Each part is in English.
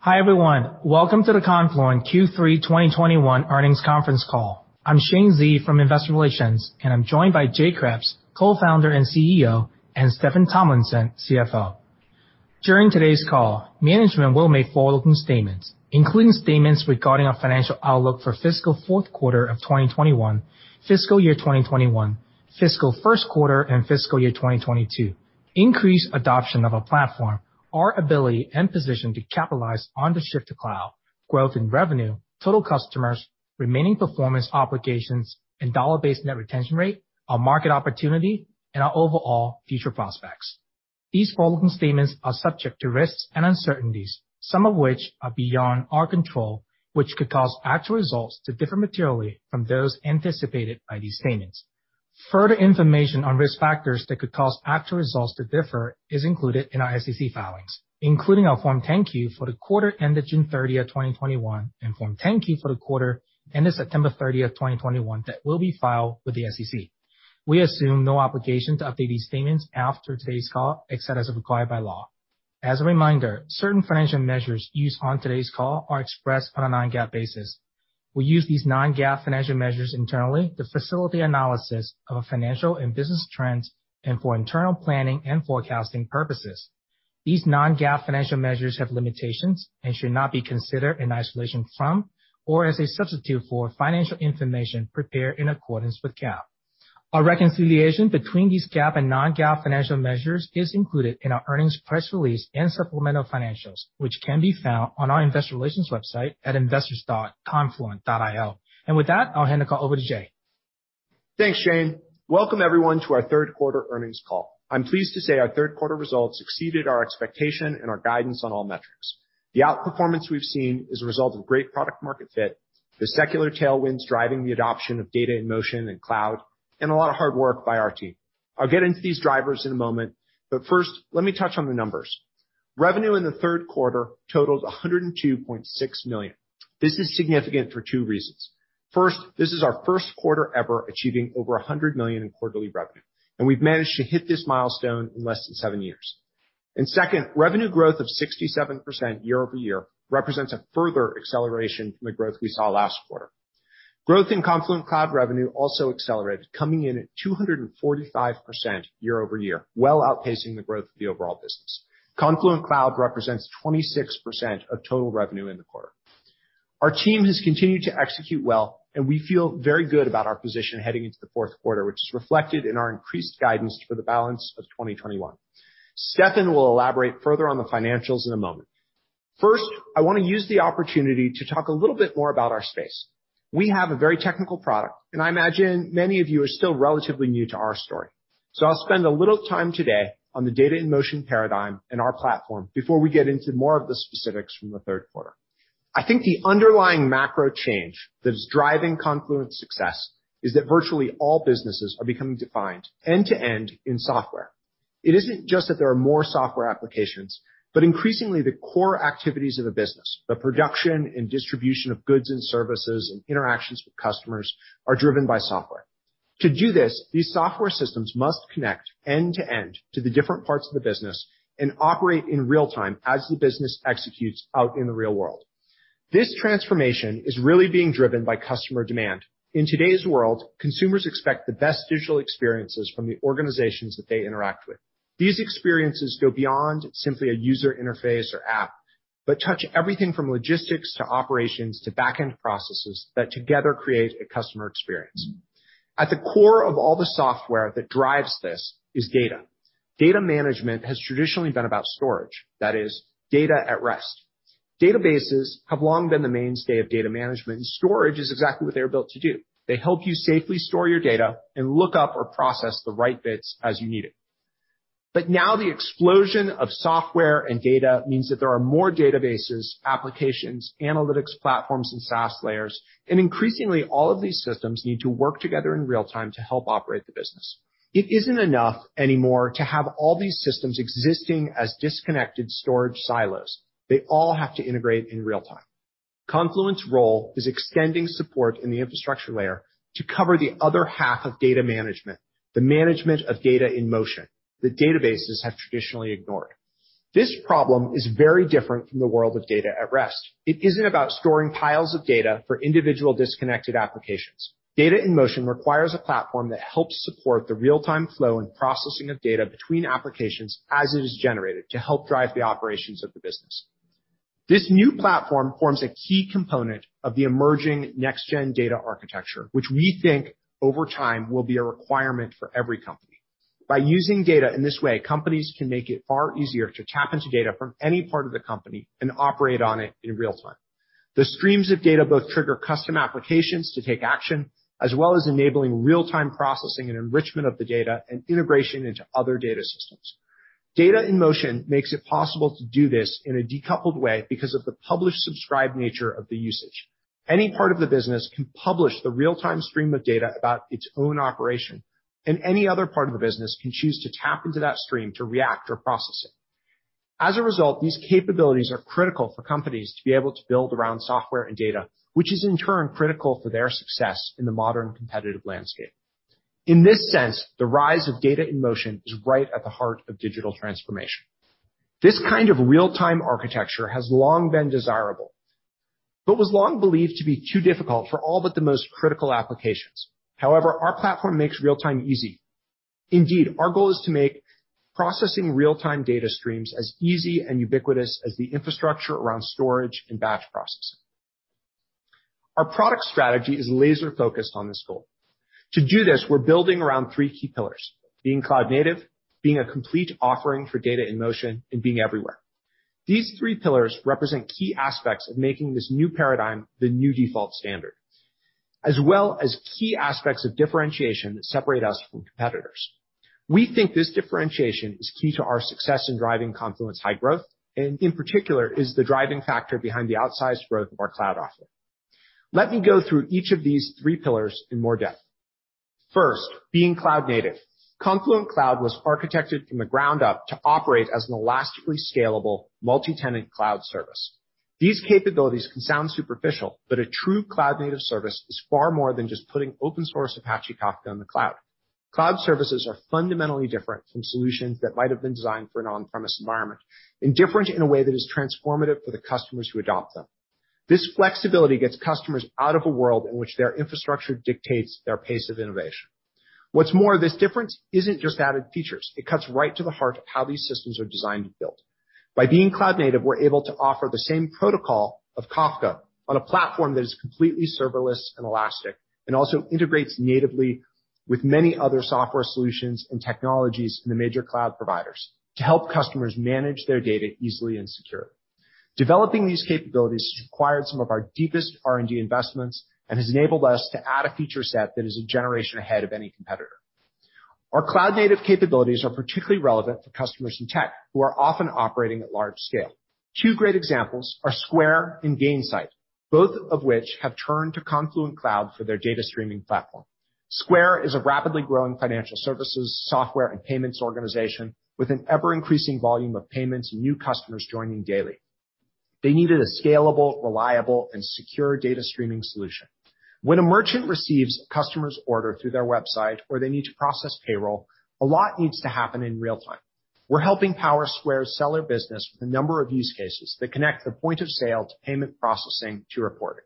Hi, everyone. Welcome to the Confluent Q3 2021 Earnings Conference Call. I'm Shane Xie from Investor Relations, and I'm joined by Jay Kreps, Co-founder and CEO, and Steffan Tomlinson, CFO. During today's call, management will make forward-looking statements, including statements regarding our financial outlook for fiscal fourth quarter of 2021, fiscal year 2021, fiscal first quarter and fiscal year 2022, increased adoption of our platform, our ability and position to capitalize on the shift to cloud, growth in revenue, total customers, remaining performance obligations, and dollar-based net retention rate, our market opportunity, and our overall future prospects. These forward-looking statements are subject to risks and uncertainties, some of which are beyond our control, which could cause actual results to differ materially from those anticipated by these statements. Further information on risk factors that could cause actual results to differ is included in our SEC filings, including our Form 10-Q for the quarter ended June 30th, 2021, and Form 10-Q for the quarter ended September 30th, 2021, that will be filed with the SEC. We assume no obligation to update these statements after today's call, except as required by law. As a reminder, certain financial measures used on today's call are expressed on a non-GAAP basis. We use these non-GAAP financial measures internally to facilitate analysis of our financial and business trends and for internal planning and forecasting purposes. These non-GAAP financial measures have limitations and should not be considered in isolation from or as a substitute for financial information prepared in accordance with GAAP. Our reconciliation between these GAAP and non-GAAP financial measures is included in our earnings press release and supplemental financials, which can be found on our Investor Relations website at investors.confluent.io. With that, I'll hand the call over to Jay. Thanks, Shane. Welcome everyone to our third quarter earnings call. I'm pleased to say our third quarter results exceeded our expectation and our guidance on all metrics. The outperformance we've seen is a result of great product market fit, the secular tailwinds driving the adoption of data in motion and cloud, and a lot of hard work by our team. I'll get into these drivers in a moment, but first, let me touch on the numbers. Revenue in the third quarter totaled $102.6 million. This is significant for two reasons. First, this is our first quarter ever achieving over $100 million in quarterly revenue, and we've managed to hit this milestone in less than seven years. Second, revenue growth of 67% YoY represents a further acceleration from the growth we saw last quarter. Growth in Confluent Cloud revenue also accelerated, coming in at 245% YoY, well outpacing the growth of the overall business. Confluent Cloud represents 26% of total revenue in the quarter. Our team has continued to execute well, and we feel very good about our position heading into the fourth quarter, which is reflected in our increased guidance for the balance of 2021. Steffan will elaborate further on the financials in a moment. First, I wanna use the opportunity to talk a little bit more about our space. We have a very technical product, and I imagine many of you are still relatively new to our story. I'll spend a little time today on the data in motion paradigm and our platform before we get into more of the specifics from the third quarter. I think the underlying macro change that is driving Confluent's success is that virtually all businesses are becoming defined end-to-end in software. It isn't just that there are more software applications, but increasingly the core activities of the business, the production and distribution of goods and services, and interactions with customers are driven by software. To do this, these software systems must connect end-to-end to the different parts of the business and operate in real time as the business executes out in the real world. This transformation is really being driven by customer demand. In today's world, consumers expect the best digital experiences from the organizations that they interact with. These experiences go beyond simply a user interface or app, but touch everything from logistics to operations to back-end processes that together create a customer experience. At the core of all the software that drives this is data. Data management has traditionally been about storage, that is data at rest. Databases have long been the mainstay of data management, and storage is exactly what they were built to do. They help you safely store your data and look up or process the right bits as you need it. Now the explosion of software and data means that there are more databases, applications, analytics platforms, and SaaS layers. Increasingly all of these systems need to work together in real time to help operate the business. It isn't enough anymore to have all these systems existing as disconnected storage silos. They all have to integrate in real time. Confluent's role is extending support in the infrastructure layer to cover the other half of data management, the management of data in motion that databases have traditionally ignored. This problem is very different from the world of data at rest. It isn't about storing piles of data for individual disconnected applications. Data in motion requires a platform that helps support the real-time flow and processing of data between applications as it is generated to help drive the operations of the business. This new platform forms a key component of the emerging next gen data architecture, which we think over time will be a requirement for every company. By using data in this way, companies can make it far easier to tap into data from any part of the company and operate on it in real time. The streams of data both trigger custom applications to take action, as well as enabling real-time processing and enrichment of the data and integration into other data systems. Data in motion makes it possible to do this in a decoupled way because of the publish-subscribe nature of the usage. Any part of the business can publish the real-time stream of data about its own operation, and any other part of the business can choose to tap into that stream to react or process it. As a result, these capabilities are critical for companies to be able to build around software and data, which is in turn critical for their success in the modern competitive landscape. In this sense, the rise of data in motion is right at the heart of digital transformation. This kind of real-time architecture has long been desirable, but was long believed to be too difficult for all but the most critical applications. However, our platform makes real-time easy. Indeed, our goal is to make processing real-time data streams as easy and ubiquitous as the infrastructure around storage and batch processing. Our product strategy is laser-focused on this goal. To do this, we're building around three key pillars, being cloud native, being a complete offering for data in motion, and being everywhere. These three pillars represent key aspects of making this new paradigm the new default standard, as well as key aspects of differentiation that separate us from competitors. We think this differentiation is key to our success in driving Confluent's high growth, and in particular, is the driving factor behind the outsized growth of our cloud offering. Let me go through each of these three pillars in more depth. First, being cloud native. Confluent Cloud was architected from the ground up to operate as an elastically scalable multi-tenant cloud service. These capabilities can sound superficial, but a true cloud native service is far more than just putting open source Apache Kafka in the cloud. Cloud services are fundamentally different from solutions that might have been designed for an on-premise environment, and different in a way that is transformative for the customers who adopt them. This flexibility gets customers out of a world in which their infrastructure dictates their pace of innovation. What's more, this difference isn't just added features. It cuts right to the heart of how these systems are designed and built. By being cloud native, we're able to offer the same protocol of Kafka on a platform that is completely serverless and elastic, and also integrates natively with many other software solutions and technologies from the major cloud providers to help customers manage their data easily and securely. Developing these capabilities has required some of our deepest R&D investments and has enabled us to add a feature set that is a generation ahead of any competitor. Our cloud native capabilities are particularly relevant for customers in tech who are often operating at large scale. Two great examples are Square and Gainsight, both of which have turned to Confluent Cloud for their data streaming platform. Square is a rapidly growing financial services, software, and payments organization with an ever-increasing volume of payments and new customers joining daily. They needed a scalable, reliable, and secure data streaming solution. When a merchant receives a customer's order through their website, or they need to process payroll, a lot needs to happen in real time. We're helping power Square's seller business with a number of use cases that connect the point of sale to payment processing to reporting.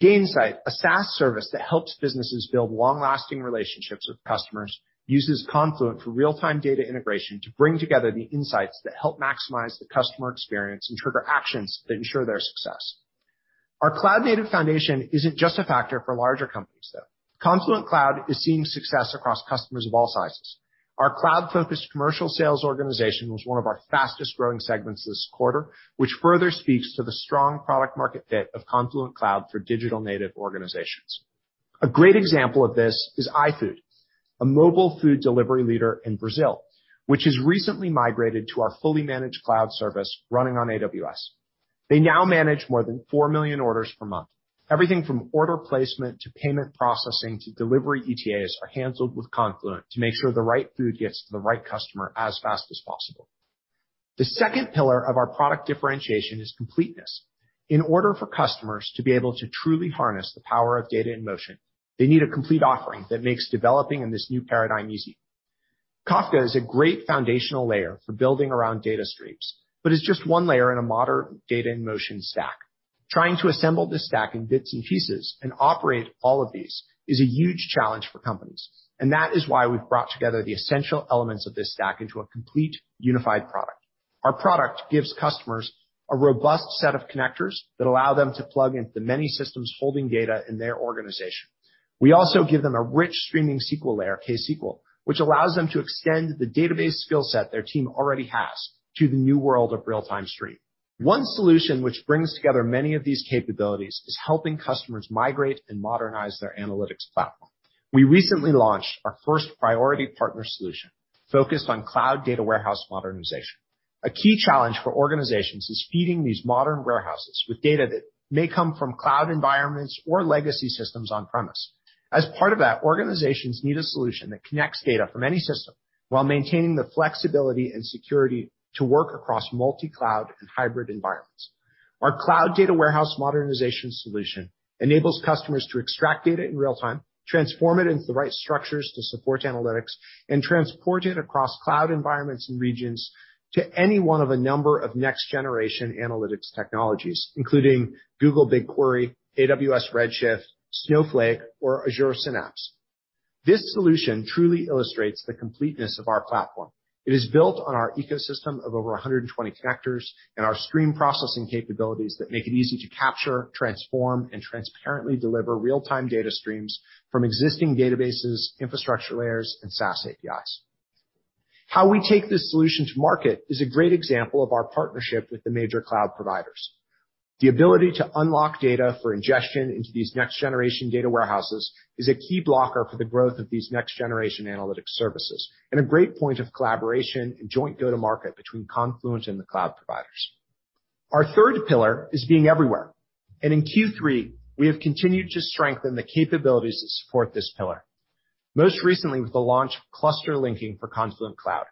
Gainsight, a SaaS service that helps businesses build long-lasting relationships with customers, uses Confluent for real-time data integration to bring together the insights that help maximize the customer experience and trigger actions that ensure their success. Our cloud native foundation isn't just a factor for larger companies, though. Confluent Cloud is seeing success across customers of all sizes. Our cloud-focused commercial sales organization was one of our fastest-growing segments this quarter, which further speaks to the strong product market fit of Confluent Cloud for digital native organizations. A great example of this is iFood, a mobile food delivery leader in Brazil, which has recently migrated to our fully managed cloud service running on AWS. They now manage more than 4 million orders per month. Everything from order placement to payment processing to delivery ETAs are handled with Confluent to make sure the right food gets to the right customer as fast as possible. The second pillar of our product differentiation is completeness. In order for customers to be able to truly harness the power of data in motion, they need a complete offering that makes developing in this new paradigm easy. Kafka is a great foundational layer for building around data streams, but it's just one layer in a modern data in motion stack. Trying to assemble this stack in bits and pieces and operate all of these is a huge challenge for companies, and that is why we've brought together the essential elements of this stack into a complete unified product. Our product gives customers a robust set of connectors that allow them to plug into the many systems holding data in their organization. We also give them a rich streaming SQL layer, KSQL, which allows them to extend the database skill set their team already has to the new world of real-time stream. One solution which brings together many of these capabilities is helping customers migrate and modernize their analytics platform. We recently launched our first priority partner solution focused on cloud data warehouse modernization. A key challenge for organizations is feeding these modern warehouses with data that may come from cloud environments or legacy systems on premise. As part of that, organizations need a solution that connects data from any system while maintaining the flexibility and security to work across multi-cloud and hybrid environments. Our cloud data warehouse modernization solution enables customers to extract data in real time, transform it into the right structures to support analytics, and transport it across cloud environments and regions to any one of a number of next generation analytics technologies, including Google BigQuery, Amazon Redshift, Snowflake, or Azure Synapse. This solution truly illustrates the completeness of our platform. It is built on our ecosystem of over 120 connectors and our stream processing capabilities that make it easy to capture, transform, and transparently deliver real-time data streams from existing databases, infrastructure layers, and SaaS APIs. How we take this solution to market is a great example of our partnership with the major cloud providers. The ability to unlock data for ingestion into these next generation data warehouses is a key blocker for the growth of these next generation analytics services, and a great point of collaboration and joint go-to-market between Confluent and the cloud providers. Our third pillar is being everywhere, and in Q3, we have continued to strengthen the capabilities that support this pillar. Most recently with the launch of Cluster Linking for Confluent Cloud.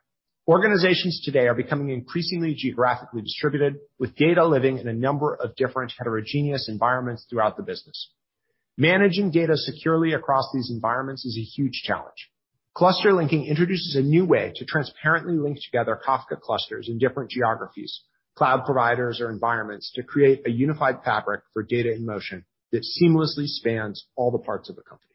Organizations today are becoming increasingly geographically distributed with data living in a number of different heterogeneous environments throughout the business. Managing data securely across these environments is a huge challenge. Cluster Linking introduces a new way to transparently link together Kafka clusters in different geographies, cloud providers or environments to create a unified fabric for data in motion that seamlessly spans all the parts of the company.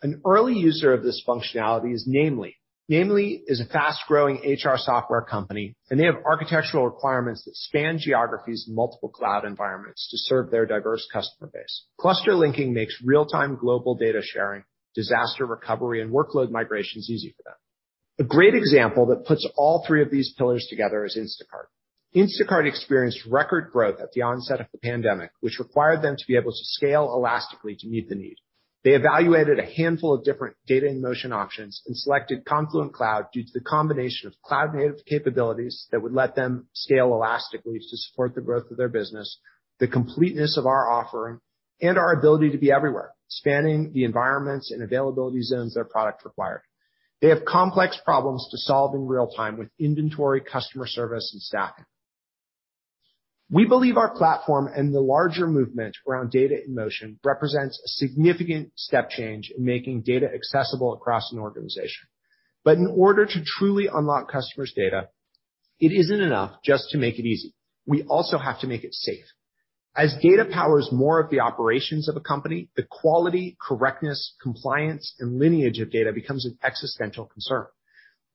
An early user of this functionality is Namely. Namely is a fast-growing HR software company, and they have architectural requirements that span geographies in multiple cloud environments to serve their diverse customer base. Cluster Linking makes real-time global data sharing, disaster recovery, and workload migrations easy for them. A great example that puts all three of these pillars together is Instacart. Instacart experienced record growth at the onset of the pandemic, which required them to be able to scale elastically to meet the need. They evaluated a handful of different data in motion options and selected Confluent Cloud due to the combination of cloud-native capabilities that would let them scale elastically to support the growth of their business, the completeness of our offering, and our ability to be everywhere, spanning the environments and availability zones their product required. They have complex problems to solve in real time with inventory, customer service, and staffing. We believe our platform and the larger movement around data in motion represents a significant step change in making data accessible across an organization. In order to truly unlock customers' data, it isn't enough just to make it easy. We also have to make it safe. As data powers more of the operations of a company, the quality, correctness, compliance, and lineage of data becomes an existential concern.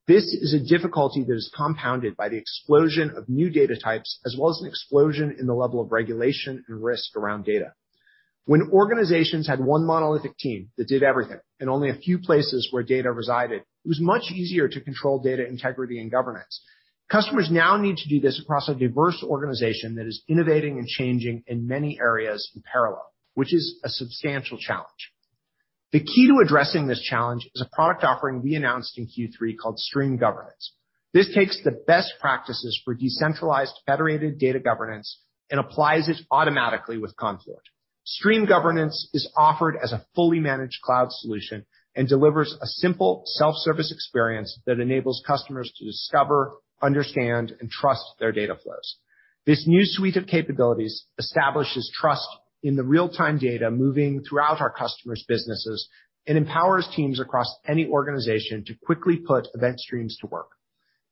This is a difficulty that is compounded by the explosion of new data types as well as an explosion in the level of regulation and risk around data. When organizations had one monolithic team that did everything and only a few places where data resided, it was much easier to control data integrity and governance. Customers now need to do this across a diverse organization that is innovating and changing in many areas in parallel, which is a substantial challenge. The key to addressing this challenge is a product offering we announced in Q3 called Stream Governance. This takes the best practices for decentralized federated data governance and applies it automatically with Confluent. Stream Governance is offered as a fully managed cloud solution and delivers a simple self-service experience that enables customers to discover, understand, and trust their data flows. This new suite of capabilities establishes trust in the real-time data moving throughout our customers' businesses and empowers teams across any organization to quickly put event streams to work.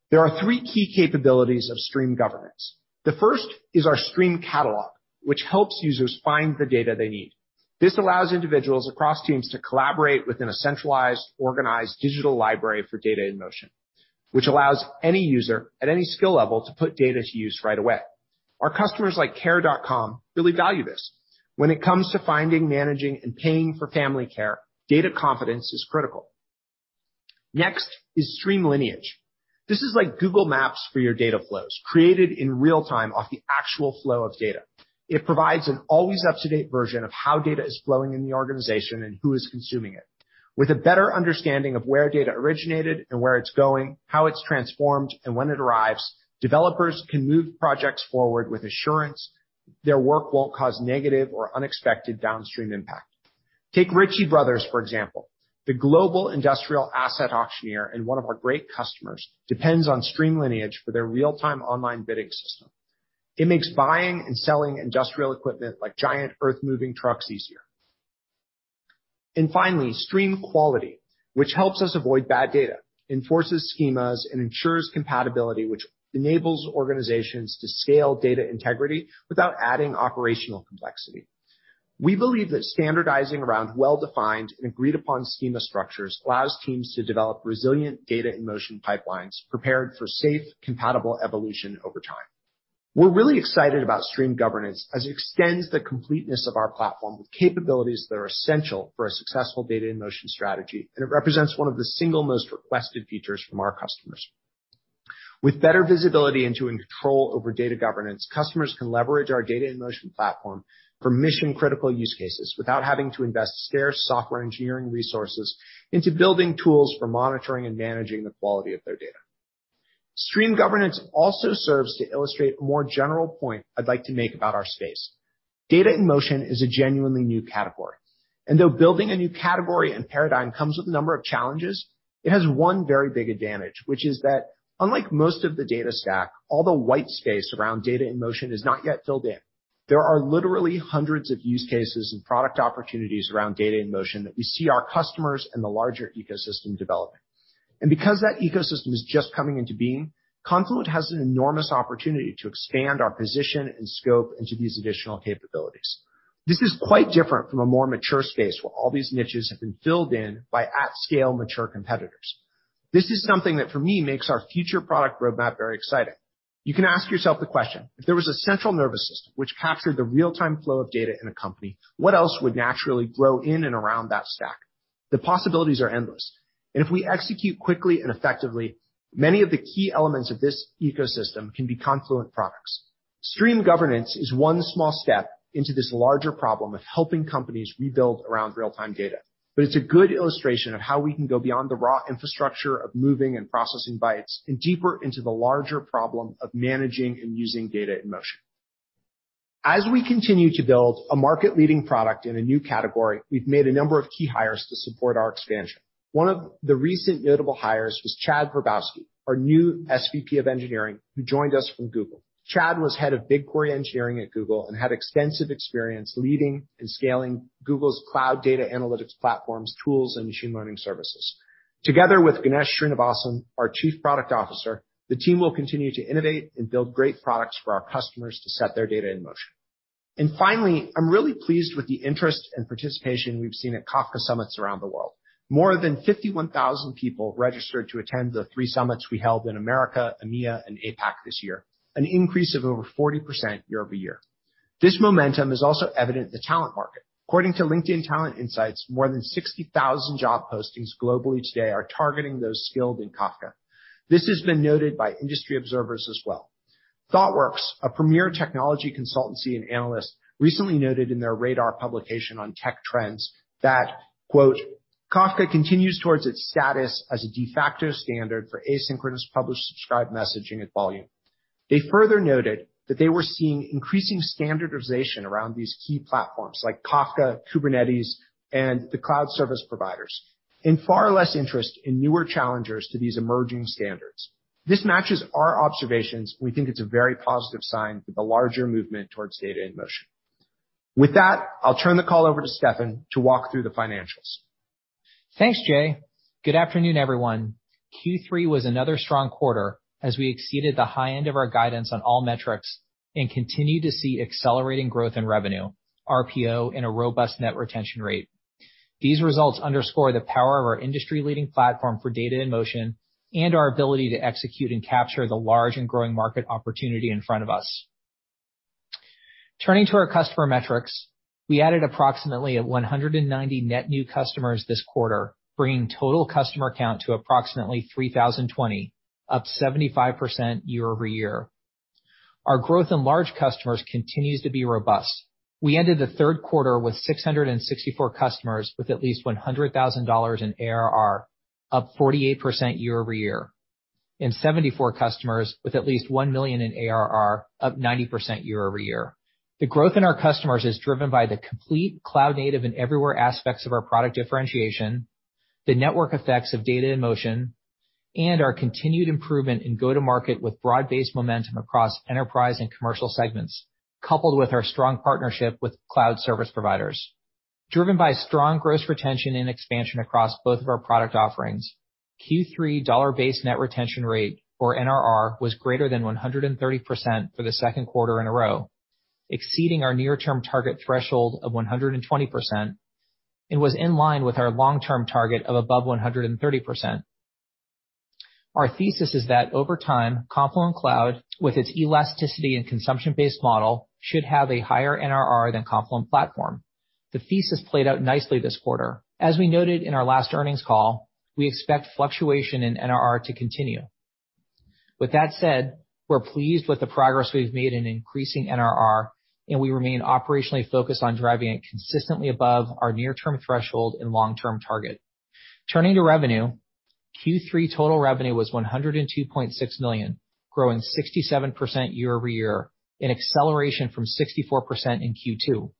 There are three key capabilities of Stream Governance. The first is our Stream Catalog, which helps users find the data they need. This allows individuals across teams to collaborate within a centralized, organized digital library for data in motion, which allows any user at any skill level to put data to use right away. Our customers like Care.com really value this. When it comes to finding, managing, and paying for family care, data confidence is critical. Next is Stream Lineage. This is like Google Maps for your data flows, created in real time off the actual flow of data. It provides an always up-to-date version of how data is flowing in the organization and who is consuming it. With a better understanding of where data originated and where it's going, how it's transformed, and when it arrives, developers can move projects forward with assurance their work won't cause negative or unexpected downstream impact. Take Ritchie Bros., for example. The global industrial asset auctioneer, and one of our great customers, depends on Stream Lineage for their real-time online bidding system. It makes buying and selling industrial equipment like giant earth-moving trucks easier. Finally, Stream Quality, which helps us avoid bad data, enforces schemas, and ensures compatibility, which enables organizations to scale data integrity without adding operational complexity. We believe that standardizing around well-defined and agreed upon schema structures allows teams to develop resilient data in motion pipelines prepared for safe, compatible evolution over time. We're really excited about Stream Governance as it extends the completeness of our platform with capabilities that are essential for a successful data in motion strategy, and it represents one of the single most requested features from our customers. With better visibility into and control over data governance, customers can leverage our data in motion platform for mission-critical use cases without having to invest scarce software engineering resources into building tools for monitoring and managing the quality of their data. Stream Governance also serves to illustrate a more general point I'd like to make about our space. Data in motion is a genuinely new category, and though building a new category and paradigm comes with a number of challenges, it has one very big advantage, which is that unlike most of the data stack, all the white space around data in motion is not yet filled in. There are literally hundreds of use cases and product opportunities around data in motion that we see our customers and the larger ecosystem developing. Because that ecosystem is just coming into being, Confluent has an enormous opportunity to expand our position and scope into these additional capabilities. This is quite different from a more mature space where all these niches have been filled in by at-scale mature competitors. This is something that for me makes our future product roadmap very exciting. You can ask yourself the question, if there was a central nervous system which captured the real-time flow of data in a company, what else would naturally grow in and around that stack? The possibilities are endless. If we execute quickly and effectively, many of the key elements of this ecosystem can be Confluent products. Stream Governance is one small step into this larger problem of helping companies rebuild around real-time data. It's a good illustration of how we can go beyond the raw infrastructure of moving and processing bytes and deeper into the larger problem of managing and using data in motion. As we continue to build a market leading product in a new category, we've made a number of key hires to support our expansion. One of the recent notable hires was Chad Verbowski, our new SVP of Engineering, who joined us from Google. Chad was head of BigQuery Engineering at Google and had extensive experience leading and scaling Google's cloud data analytics platforms, tools, and machine learning services. Together with Ganesh Srinivasan, our Chief Product Officer, the team will continue to innovate and build great products for our customers to set their data in motion. Finally, I'm really pleased with the interest and participation we've seen at Kafka summits around the world. More than 51,000 people registered to attend the three summits we held in America, EMEA, and APAC this year, an increase of over 40% YoY. This momentum is also evident in the talent market. According to LinkedIn Talent Insights, more than 60,000 job postings globally today are targeting those skilled in Kafka. This has been noted by industry observers as well. Thoughtworks, a premier technology consultancy and analyst, recently noted in their Radar publication on tech trends that, quote, "Kafka continues towards its status as a de facto standard for asynchronous publish-subscribe messaging in volume." They further noted that they were seeing increasing standardization around these key platforms like Kafka, Kubernetes, and the cloud service providers, and far less interest in newer challengers to these emerging standards. This matches our observations. We think it's a very positive sign for the larger movement towards data in motion. With that, I'll turn the call over to Steffan to walk through the financials. Thanks, Jay. Good afternoon, everyone. Q3 was another strong quarter as we exceeded the high end of our guidance on all metrics and continued to see accelerating growth in revenue, RPO, and a robust net retention rate. These results underscore the power of our industry-leading platform for data in motion and our ability to execute and capture the large and growing market opportunity in front of us. Turning to our customer metrics, we added approximately 190 net new customers this quarter, bringing total customer count to approximately 3,020, up 75% YoY. Our growth in large customers continues to be robust. We ended the third quarter with 664 customers with at least $100,000 in ARR, up 48% YoY, and 74 customers with at least $1 million in ARR, up 90% YoY. The growth in our customers is driven by the complete cloud native and everywhere aspects of our product differentiation, the network effects of data in motion, and our continued improvement in go-to-market with broad-based momentum across enterprise and commercial segments, coupled with our strong partnership with cloud service providers. Driven by strong gross retention and expansion across both of our product offerings, Q3 dollar-based net retention rate, or NRR, was greater than 130% for the second quarter in a row, exceeding our near term target threshold of 120%, and was in line with our long-term target of above 130%. Our thesis is that over time, Confluent Cloud, with its elasticity and consumption-based model, should have a higher NRR than Confluent Platform. The thesis played out nicely this quarter. As we noted in our last earnings call, we expect fluctuation in NRR to continue. With that said, we're pleased with the progress we've made in increasing NRR, and we remain operationally focused on driving it consistently above our near-term threshold and long-term target. Turning to revenue. Q3 total revenue was $102.6 million, growing 67% YoY, an acceleration from 64% in Q2.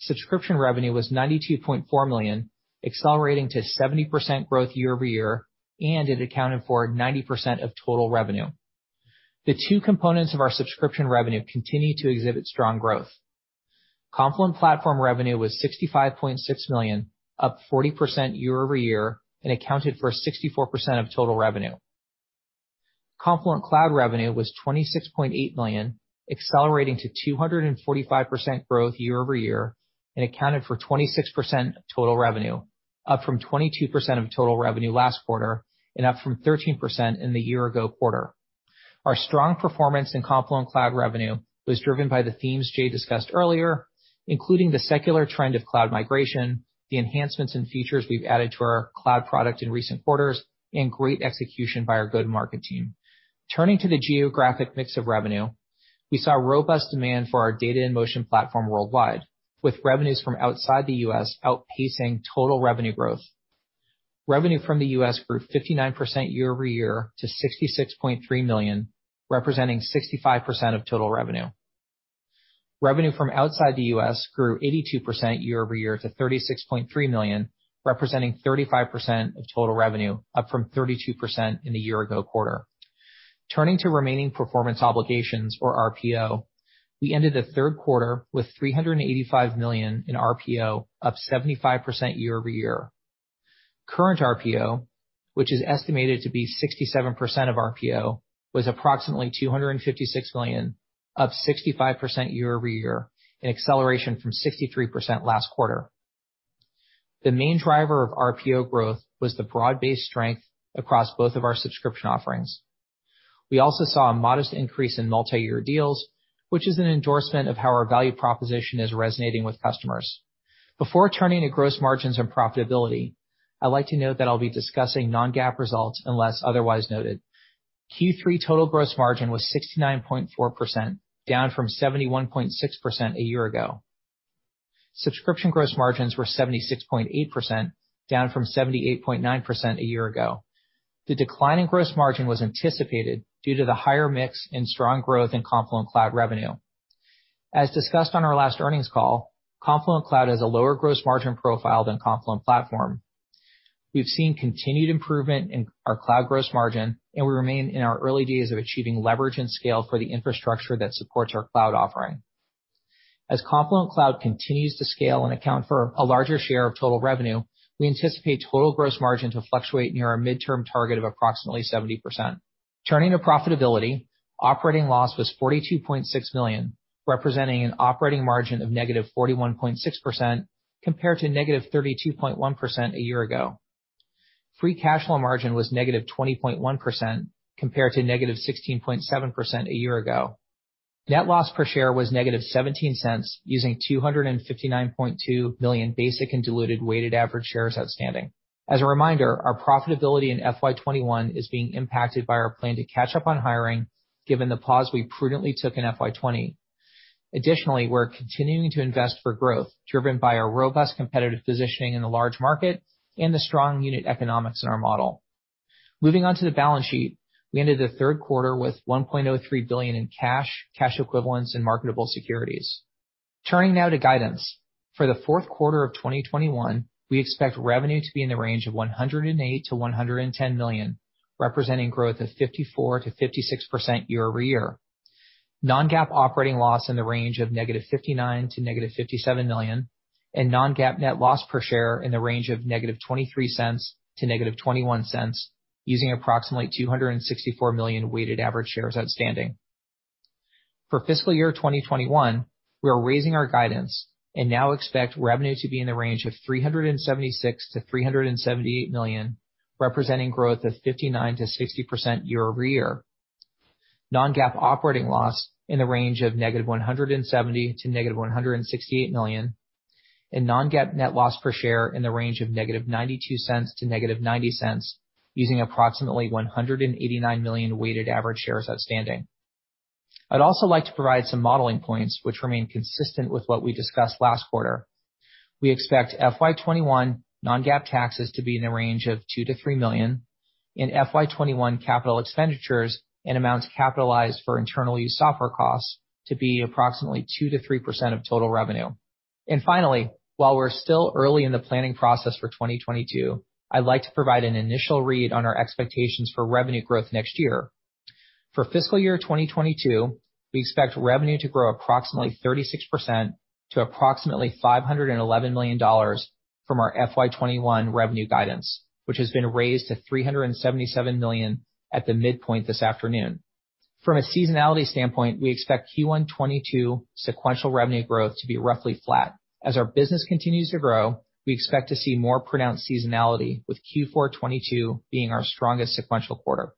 Subscription revenue was $92.4 million, accelerating to 70% growth YoY, and it accounted for 90% of total revenue. The two components of our subscription revenue continue to exhibit strong growth. Confluent Platform revenue was $65.6 million, up 40% YoY, and accounted for 64% of total revenue. Confluent Cloud revenue was $26.8 million, accelerating to 245% growth YoY, and accounted for 26% of total revenue, up from 22% of total revenue last quarter, and up from 13% in the year ago quarter. Our strong performance in Confluent Cloud revenue was driven by the themes Jay discussed earlier, including the secular trend of cloud migration, the enhancements in features we've added to our cloud product in recent quarters, and great execution by our go-to-market team. Turning to the geographic mix of revenue, we saw robust demand for our Data in Motion platform worldwide, with revenues from outside the U.S. outpacing total revenue growth. Revenue from the U.S. grew 59% YoY to $66.3 million, representing 65% of total revenue. Revenue from outside the U.S. grew 82% YoY to $36.3 million, representing 35% of total revenue, up from 32% in the year ago quarter. Turning to remaining performance obligations or RPO. We ended the third quarter with $385 million in RPO, up 75% YoY. Current RPO, which is estimated to be 67% of RPO, was approximately $256 million, up 65% YoY, an acceleration from 63% last quarter. The main driver of RPO growth was the broad-based strength across both of our subscription offerings. We also saw a modest increase in multi-year deals, which is an endorsement of how our value proposition is resonating with customers. Before turning to gross margins and profitability, I'd like to note that I'll be discussing non-GAAP results unless otherwise noted. Q3 total gross margin was 69.4%, down from 71.6% a year ago. Subscription gross margins were 76.8%, down from 78.9% a year ago. The decline in gross margin was anticipated due to the higher mix and strong growth in Confluent Cloud revenue. As discussed on our last earnings call, Confluent Cloud has a lower gross margin profile than Confluent Platform. We've seen continued improvement in our cloud gross margin, and we remain in our early days of achieving leverage and scale for the infrastructure that supports our cloud offering. As Confluent Cloud continues to scale and account for a larger share of total revenue, we anticipate total gross margin to fluctuate near our midterm target of approximately 70%. Turning to profitability, operating loss was $42.6 million, representing an operating margin of -41.6% compared to -32.1% a year ago. Free cash flow margin was -20.1% compared to -16.7% a year ago. Net loss per share was -$0.17, using 259.2 million basic and diluted weighted average shares outstanding. As a reminder, our profitability in FY 2021 is being impacted by our plan to catch up on hiring given the pause we prudently took in FY 2020. Additionally, we're continuing to invest for growth driven by our robust competitive positioning in the large market and the strong unit economics in our model. Moving on to the balance sheet, we ended the third quarter with $1.03 billion in cash equivalents, and marketable securities. Turning now to guidance. For the fourth quarter of 2021, we expect revenue to be in the range of $108 million-$110 million, representing growth of 54%-56% YoY. Non-GAAP operating loss in the range of -$59 million to -$57 million, and non-GAAP net loss per share in the range of -$0.23 to -$0.21, using approximately 264 million weighted average shares outstanding. For fiscal year 2021, we are raising our guidance and now expect revenue to be in the range of $376 million-$378 million, representing growth of 59%-60% YoY. Non-GAAP operating loss in the range of -$170 million to -$168 million, and non-GAAP net loss per share in the range of -$0.92 to -$0.90, using approximately 189 million weighted average shares outstanding. I'd also like to provide some modeling points which remain consistent with what we discussed last quarter. We expect FY 2021 non-GAAP taxes to be in the range of $2 million-$3 million, and FY 2021 capital expenditures and amounts capitalized for internal use software costs to be approximately 2%-3% of total revenue. Finally, while we're still early in the planning process for 2022, I'd like to provide an initial read on our expectations for revenue growth next year. For fiscal year 2022, we expect revenue to grow approximately 36% to approximately $511 million from our FY 2021 revenue guidance, which has been raised to $377 million at the midpoint this afternoon. From a seasonality standpoint, we expect Q1 2022 sequential revenue growth to be roughly flat. As our business continues to grow, we expect to see more pronounced seasonality with Q4 2022 being our strongest sequential quarter.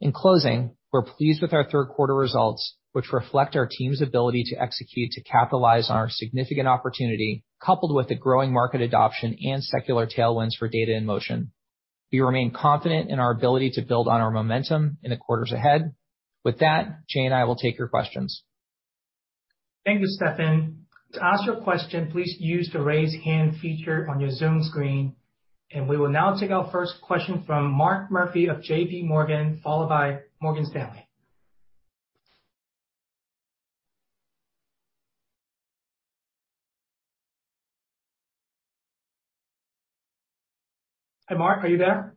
In closing, we're pleased with our third quarter results, which reflect our team's ability to execute to capitalize on our significant opportunity, coupled with the growing market adoption and secular tailwinds for data in motion. We remain confident in our ability to build on our momentum in the quarters ahead. With that, Jay and I will take your questions. Thank you, Steffan. To ask your question, please use the Raise Hand feature on your Zoom screen. We will now take our first question from Mark Murphy of JPMorgan, followed by Morgan Stanley. Hi, Mark, are you there?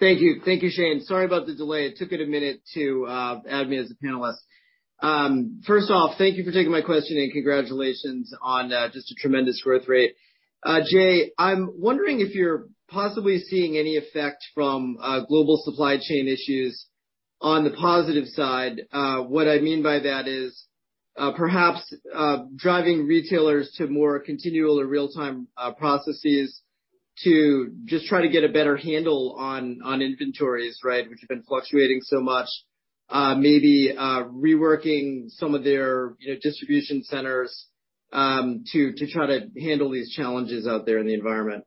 Thank you. Thank you, Shane. Sorry about the delay. It took it a minute to add me as a panelist. First off, thank you for taking my question, and congratulations on just a tremendous growth rate. Jay, I'm wondering if you're possibly seeing any effect from global supply chain issues on the positive side. What I mean by that is, perhaps driving retailers to more continual or real-time processes to just try to get a better handle on inventories, right? Which have been fluctuating so much. Maybe reworking some of their, you know, distribution centers to try to handle these challenges out there in the environment.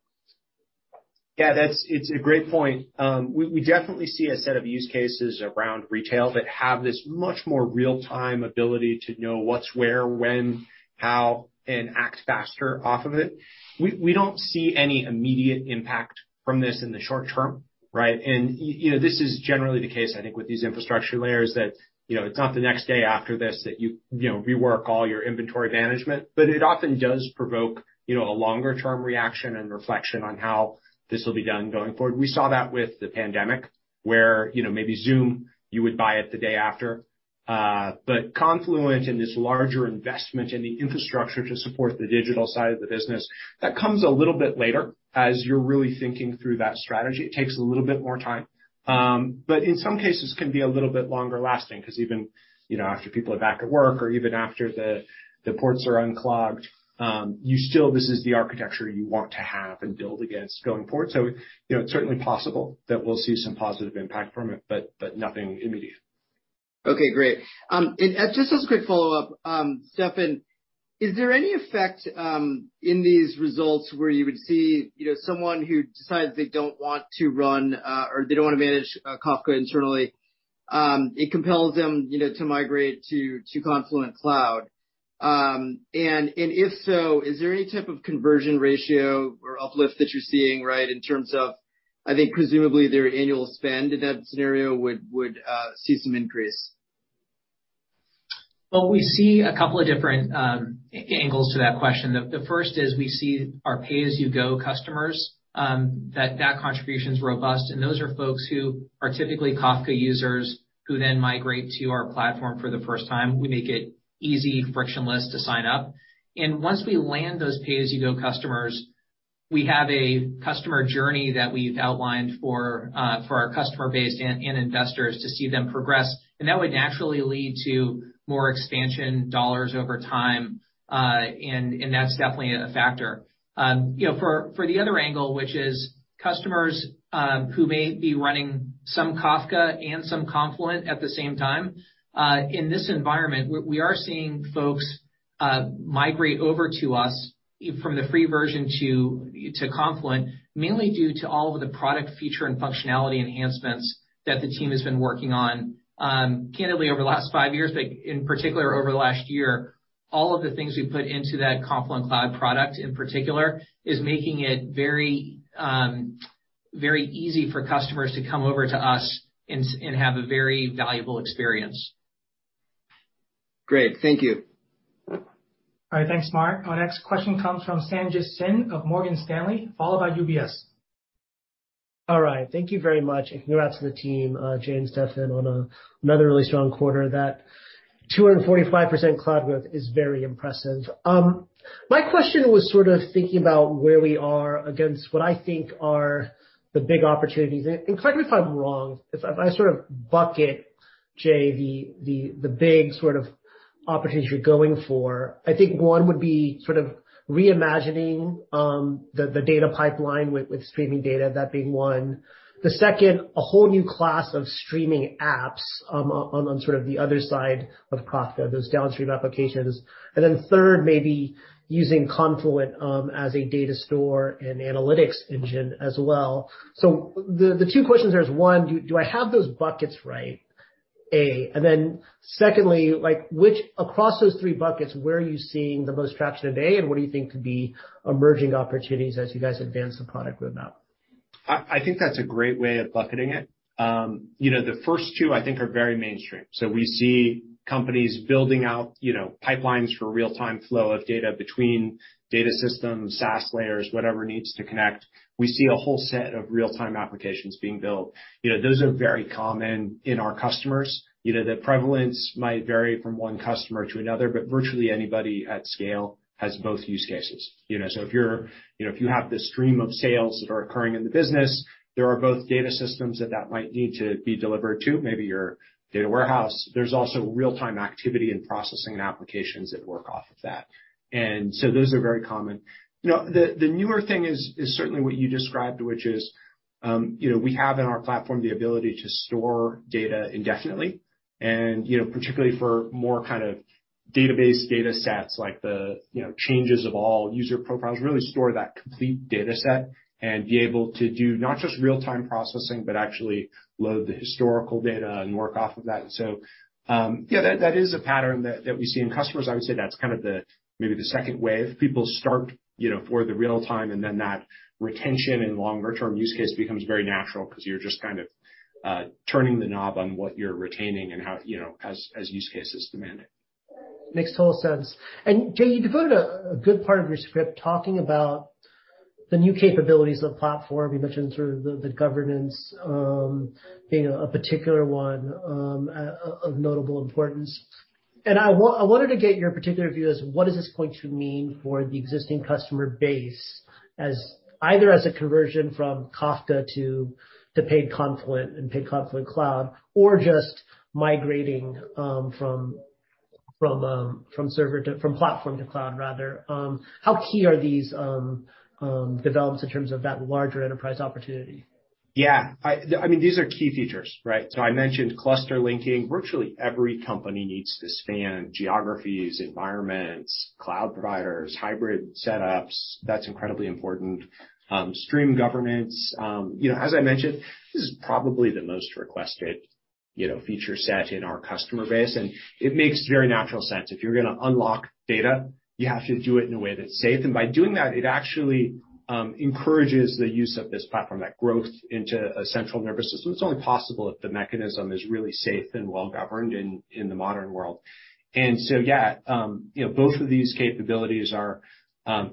Yeah, that's. It's a great point. We definitely see a set of use cases around retail that have this much more real-time ability to know what's where, when, how, and act faster off of it. We don't see any immediate impact from this in the short term, right? You know, this is generally the case, I think, with these infrastructure layers that, you know, it's not the next day after this that you know, rework all your inventory management. It often does provoke, you know, a longer-term reaction and reflection on how this will be done going forward. We saw that with the pandemic, where, you know, maybe Zoom, you would buy it the day after. Confluent and this larger investment in the infrastructure to support the digital side of the business, that comes a little bit later. As you're really thinking through that strategy, it takes a little bit more time, but in some cases can be a little bit longer lasting 'cause even, you know, after people are back at work or even after the ports are unclogged, you still, this is the architecture you want to have and build against going forward. You know, it's certainly possible that we'll see some positive impact from it, but nothing immediate. Okay, great. Just as a quick follow-up, Steffan, is there any effect in these results where you would see, you know, someone who decides they don't want to run or they don't wanna manage Kafka internally, it compels them, you know, to migrate to Confluent Cloud. If so, is there any type of conversion ratio or uplift that you're seeing, right, in terms of, I think presumably their annual spend in that scenario would see some increase? Well, we see a couple of different angles to that question. The first is we see our pay-as-you-go customers that contribution's robust, and those are folks who are typically Kafka users who then migrate to our platform for the first time. We make it easy, frictionless to sign up. Once we land those pay-as-you-go customers, we have a customer journey that we've outlined for our customer base and investors to see them progress. That would naturally lead to more expansion dollars over time, and that's definitely a factor. You know, for the other angle, which is customers, who may be running some Kafka and some Confluent at the same time, in this environment we are seeing folks migrate over to us from the free version to Confluent, mainly due to all of the product feature and functionality enhancements that the team has been working on. Candidly, over the last five years, but in particular over the last year, all of the things we've put into that Confluent Cloud product in particular is making it very, very easy for customers to come over to us and have a very valuable experience. Great. Thank you. All right. Thanks, Mark. Our next question comes from Sanjit Singh of Morgan Stanley, followed by UBS. All right. Thank you very much, and congrats to the team, Jay and Steffan, on another really strong quarter. That 245% cloud growth is very impressive. My question was sort of thinking about where we are against what I think are the big opportunities, and correct me if I'm wrong. If I sort of bucket, Jay, the big sort of opportunities you're going for, I think one would be sort of reimagining the data pipeline with streaming data, that being one. The second, a whole new class of streaming apps on sort of the other side of Kafka, those downstream applications. Third, maybe using Confluent as a data store and analytics engine as well. The two questions there is, one, do I have those buckets right, A? Secondly, like across those three buckets, where are you seeing the most traction today, and what do you think could be emerging opportunities as you guys advance the product roadmap? I think that's a great way of bucketing it. You know, the first two I think are very mainstream. We see companies building out, you know, pipelines for real-time flow of data between data systems, SaaS layers, whatever needs to connect. We see a whole set of real-time applications being built. You know, those are very common in our customers. You know, the prevalence might vary from one customer to another, but virtually anybody at scale has both use cases. You know, if you have this stream of sales that are occurring in the business, there are both data systems that might need to be delivered to, maybe your data warehouse. There's also real-time activity and processing applications that work off of that. Those are very common. You know, the newer thing is certainly what you described, which is, you know, we have in our platform the ability to store data indefinitely and, you know, particularly for more kind of database data sets like the changes of all user profiles, really store that complete data set and be able to do not just real-time processing, but actually load the historical data and work off of that. Yeah, that is a pattern that we see in customers. I would say that's kind of the, maybe the second wave. People start, you know, for the real time, and then that retention and longer term use case becomes very natural 'cause you're just kind of turning the knob on what you're retaining and how, you know, as use cases demand it. Makes total sense. Jay, you devoted a good part of your script talking about the new capabilities of the platform. You mentioned sort of the governance being a particular one of notable importance. I wanted to get your particular view as what is this going to mean for the existing customer base as either a conversion from Kafka to paid Confluent and paid Confluent Cloud, or just migrating from platform to cloud rather. How key are these developments in terms of that larger enterprise opportunity? Yeah. I mean, these are key features, right? I mentioned Cluster Linking. Virtually every company needs to span geographies, environments, cloud providers, hybrid setups. That's incredibly important. Stream Governance. You know, as I mentioned, this is probably the most requested, you know, feature set in our customer base, and it makes very natural sense. If you're gonna unlock data, you have to do it in a way that's safe. By doing that, it actually encourages the use of this platform, that growth into a central nervous system. It's only possible if the mechanism is really safe and well-governed in the modern world. Yeah, you know, both of these capabilities are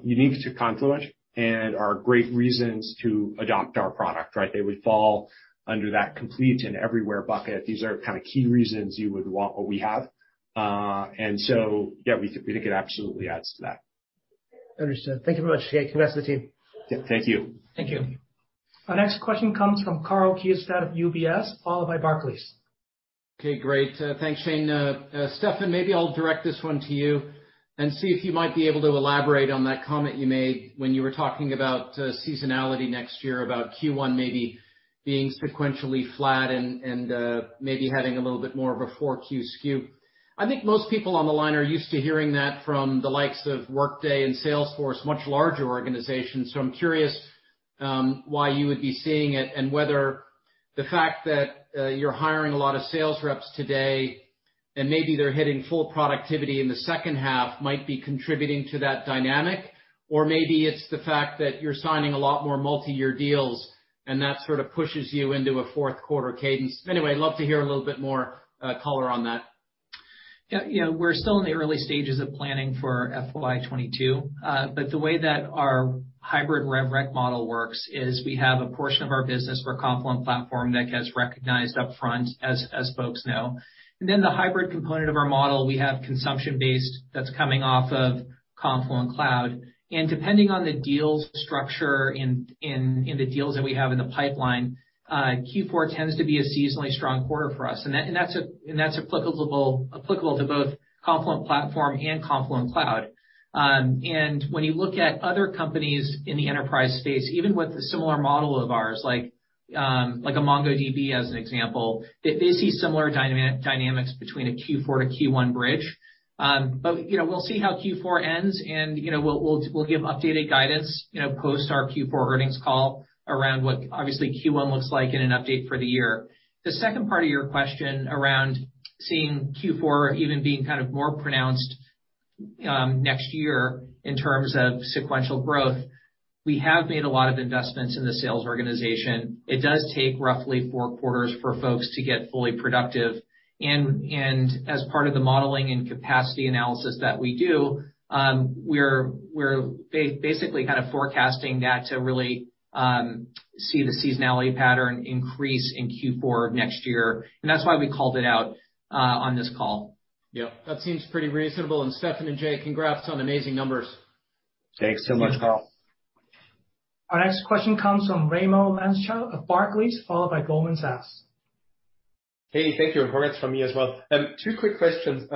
unique to Confluent and are great reasons to adopt our product, right? They would fall under that complete and everywhere bucket. These are kind of key reasons you would want what we have. Yeah, we think it absolutely adds to that. Understood. Thank you very much, Jay. Congrats to the team. Yeah. Thank you. Thank you. Our next question comes from Karl Keirstead of UBS, followed by Barclays. Okay, great. Thanks, Shane. Steffan, maybe I'll direct this one to you and see if you might be able to elaborate on that comment you made when you were talking about seasonality next year, about Q1 maybe being sequentially flat and maybe having a little bit more of a Q4 skew. I think most people on the line are used to hearing that from the likes of Workday and Salesforce, much larger organizations. I'm curious. Why you would be seeing it and whether the fact that you're hiring a lot of sales reps today, and maybe they're hitting full productivity in the second half might be contributing to that dynamic. Maybe it's the fact that you're signing a lot more multi-year deals, and that sort of pushes you into a fourth quarter cadence. Anyway, love to hear a little bit more color on that. We're still in the early stages of planning for FY 2022. But the way that our hybrid rev rec model works is we have a portion of our business for Confluent Platform that gets recognized upfront as folks know. Then the hybrid component of our model, we have consumption-based that's coming off of Confluent Cloud. Depending on the deal's structure in the deals that we have in the pipeline, Q4 tends to be a seasonally strong quarter for us. That's applicable to both Confluent Platform and Confluent Cloud. When you look at other companies in the enterprise space, even with a similar model of ours, like a MongoDB as an example, they see similar dynamics between a Q4 to Q1 bridge. You know, we'll see how Q4 ends, and you know, we'll give updated guidance, you know, post our Q4 earnings call around what obviously Q1 looks like and an update for the year. The second part of your question around seeing Q4 even being kind of more pronounced next year in terms of sequential growth, we have made a lot of investments in the sales organization. It does take roughly four quarters for folks to get fully productive. As part of the modeling and capacity analysis that we do, we're basically kind of forecasting that to really see the seasonality pattern increase in Q4 next year, and that's why we called it out on this call. Yep. That seems pretty reasonable. Steffan and Jay, congrats on amazing numbers. Thanks so much, Karl. Our next question comes from Raimo Lenschow of Barclays, followed by Goldman Sachs. Hey, thank you. Congrats from me as well. Two quick questions.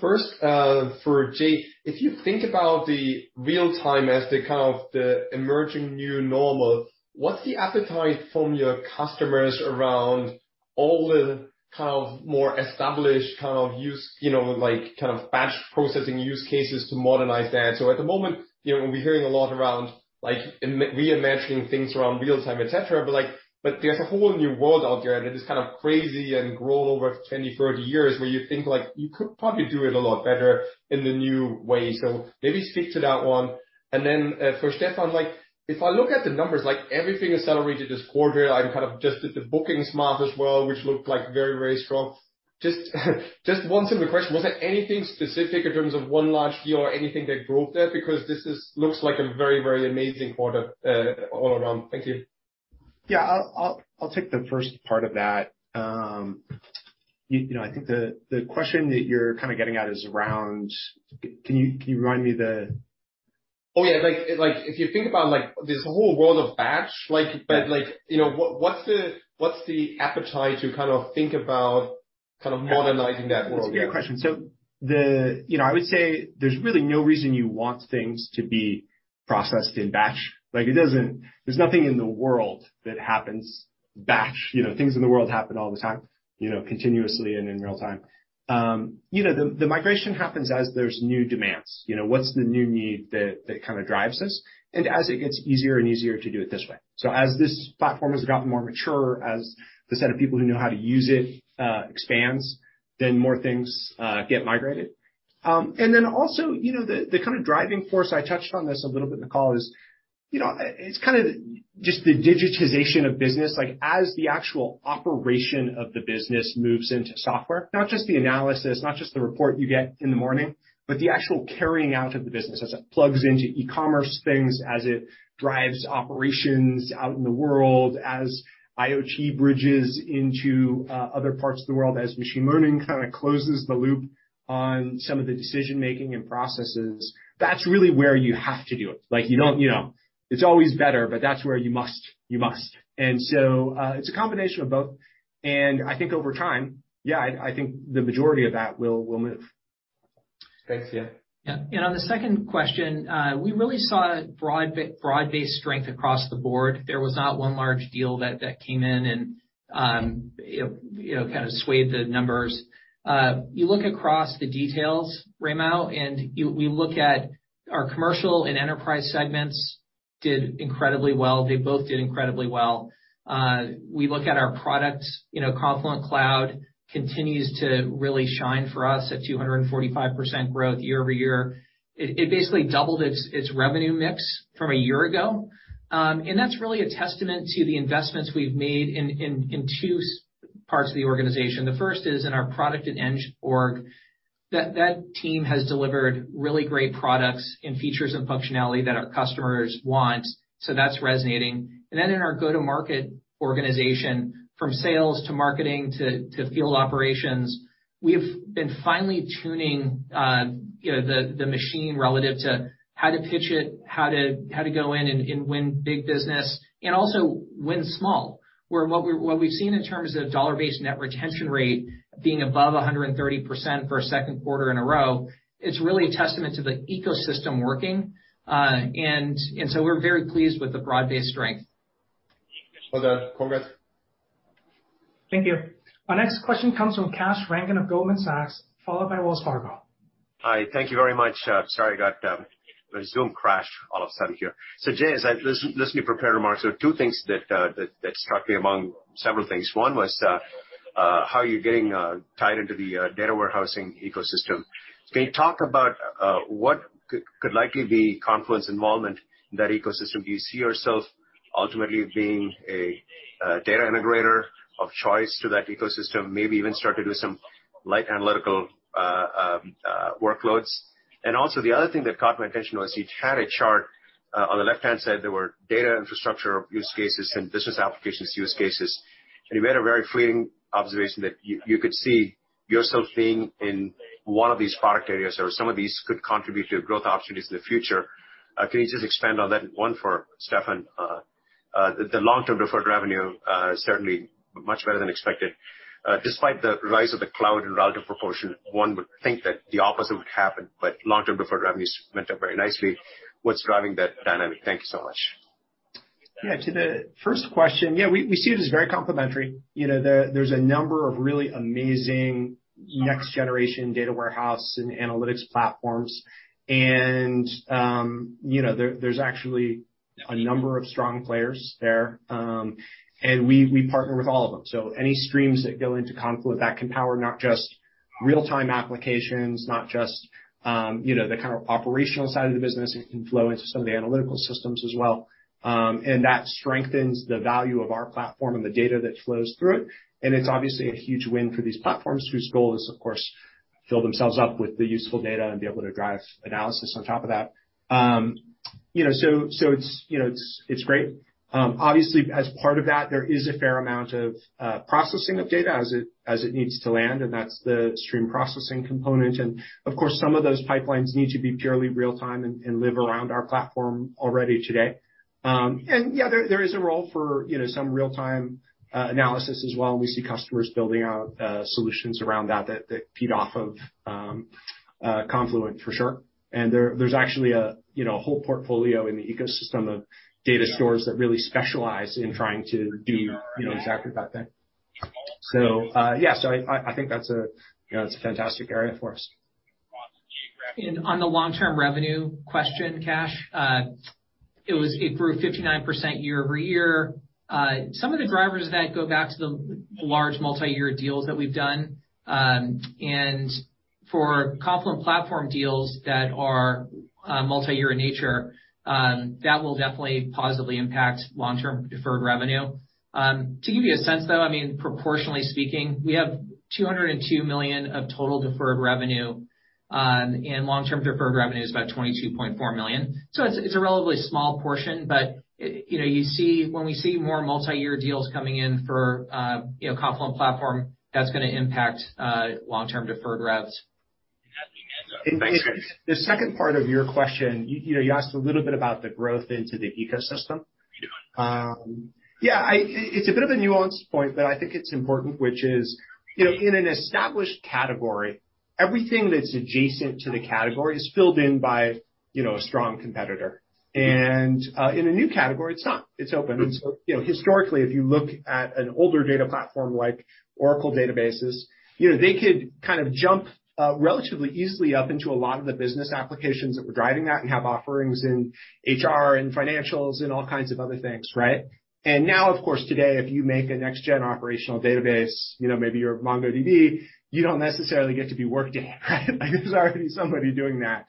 First, for Jay. If you think about the real-time as the kind of the emerging new normal, what's the appetite from your customers around all the kind of more established kind of use, you know, like, kind of batch processing use cases to modernize that? At the moment, you know, we're hearing a lot around, like, reimagining things around real time, et cetera, but there's a whole new world out there that is kind of crazy and grown over 20, 30 years, where you think, like, you could probably do it a lot better in the new way. Maybe speak to that one. For Steffan, like, if I look at the numbers, like everything accelerated this quarter, I kind of just did the bookings math as well, which looked like very, very strong. Just one simple question, was there anything specific in terms of one large deal or anything that drove that? Because this looks like a very, very amazing quarter, all around. Thank you. Yeah. I'll take the first part of that. You know, I think the question that you're kinda getting at is around. Can you remind me the- Oh, yeah. Like, if you think about, like, this whole world of batch, like, but like, you know, what's the appetite to kind of think about kind of modernizing that world? Yeah. That's a good question. You know, I would say there's really no reason you want things to be processed in batch. Like, it doesn't. There's nothing in the world that happens in batch. You know, things in the world happen all the time, you know, continuously and in real time. You know, the migration happens as there's new demands. You know, what's the new need that that kind of drives this? As it gets easier and easier to do it this way. As this platform has gotten more mature, as the set of people who know how to use it expands, then more things get migrated. Then also, you know, the kind of driving force, I touched on this a little bit in the call, is, you know, it's kind of just the digitization of business. Like, as the actual operation of the business moves into software, not just the analysis, not just the report you get in the morning, but the actual carrying out of the business as it plugs into e-commerce things, as it drives operations out in the world, as IoT bridges into other parts of the world, as machine learning kind of closes the loop on some of the decision-making and processes, that's really where you have to do it. Like you don't, you know. It's always better, but that's where you must. It's a combination of both. I think over time, yeah, I think the majority of that will move. Thanks. Yeah. On the second question, we really saw broad-based strength across the board. There was not one large deal that came in and kind of swayed the numbers. You look across the details, Raimo, and we look at our commercial and enterprise segments. They did incredibly well. They both did incredibly well. We look at our products. Confluent Cloud continues to really shine for us at 245% growth YoY. It basically doubled its revenue mix from a year ago. That's really a testament to the investments we've made in two parts of the organization. The first is in our product and eng org. That team has delivered really great products and features and functionality that our customers want, so that's resonating. In our go-to-market organization, from sales to marketing to field operations, we've been finely tuning you know the machine relative to how to pitch it, how to go in and win big business, and also win small. What we've seen in terms of dollar-based net retention rate being above 130% for a second quarter in a row, it's really a testament to the ecosystem working. So we're very pleased with the broad-based strength. Well done. Congrats. Thank you. Our next question comes from Kash Rangan of Goldman Sachs, followed by Wells Fargo. Hi. Thank you very much. Sorry, my Zoom crashed all of a sudden here. Jay, as I listen to prepared remarks, there are two things that struck me among several things. One was how you're getting tied into the data warehousing ecosystem. Can you talk about what could likely be Confluent's involvement in that ecosystem? Do you see yourself ultimately being a data integrator of choice to that ecosystem, maybe even start to do some light analytical workloads? Also, the other thing that caught my attention was you had a chart on the left-hand side, there were data infrastructure use cases and business applications use cases. You made a very fleeting observation that you could see yourself being in one of these product areas or some of these could contribute to growth opportunities in the future. Can you just expand on that one for Steffan? The long-term deferred revenue is certainly much better than expected. Despite the rise of the cloud in relative proportion, one would think that the opposite would happen, but long-term deferred revenues went up very nicely. What's driving that dynamic? Thank you so much. Yeah. To the first question, yeah, we see it as very complementary. You know, there's a number of really amazing next generation data warehouse and analytics platforms, and, you know, there's actually a number of strong players there, and we partner with all of them. So any streams that go into Confluent that can power not just real-time applications, not just, you know, the kind of operational side of the business, it can flow into some of the analytical systems as well. And that strengthens the value of our platform and the data that flows through it. And it's obviously a huge win for these platforms whose goal is, of course, fill themselves up with the useful data and be able to drive analysis on top of that. You know, so it's great. Obviously, as part of that, there is a fair amount of processing of data as it needs to land, and that's the stream processing component. Of course, some of those pipelines need to be purely real time and live around our platform already today. Yeah, there is a role for, you know, some real-time analysis as well. We see customers building out solutions around that feed off of Confluent for sure. There's actually a, you know, a whole portfolio in the ecosystem of data stores that really specialize in trying to do, you know, exactly that thing. Yeah. I think that's a, you know, it's a fantastic area for us. On the long-term revenue question, Kash, it grew 59% YoY. Some of the drivers of that go back to the large multi-year deals that we've done. For Confluent Platform deals that are multi-year in nature, that will definitely positively impact long-term deferred revenue. To give you a sense, though, I mean, proportionally speaking, we have $202 million of total deferred revenue, and long-term deferred revenue is about $22.4 million. It's a relatively small portion, but you know, when we see more multi-year deals coming in for Confluent Platform, that's gonna impact long-term deferred revs. Thanks, guys. The second part of your question, you know, you asked a little bit about the growth into the ecosystem. Yeah, it's a bit of a nuanced point, but I think it's important, which is, you know, in an established category, everything that's adjacent to the category is filled in by, you know, a strong competitor. In a new category, it's not. It's open. You know, historically, if you look at an older data platform like Oracle databases, you know, they could kind of jump relatively easily up into a lot of the business applications that were driving that and have offerings in HR and financials and all kinds of other things, right? Now, of course, today, if you make a next gen operational database, you know, maybe you're MongoDB, you don't necessarily get to be Workday, right? Like, there's already somebody doing that.